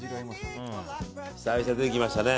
久々出てきましたね。